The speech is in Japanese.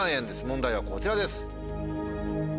問題はこちらです。